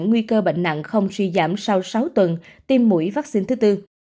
nguy cơ bệnh nặng không suy giảm sau sáu tuần tiêm mũi vaccine thứ tư